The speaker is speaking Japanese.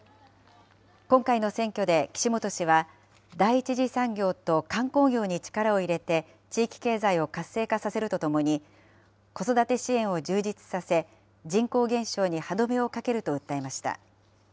今回の選挙で岸本氏は、第１次産業と観光業に力を入れて、地域経済を活性化させるとともに、子育て支援を充実させ、人口減少に歯止めをかけると訴えました。